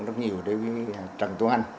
rất nhiều đối với trần tuấn anh